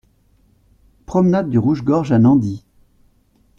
Promenade du Rouge Gorge à Nandy